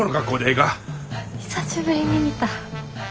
久しぶりに見た。